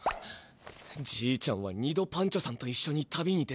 じいちゃんは２度パンチョさんといっしょに旅に出たんだ。